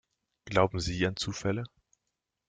Glauben Sie an Zufälle?